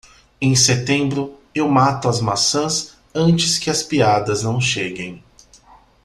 Em setembro, eu mato as maçãs antes que as piadas não cheguem.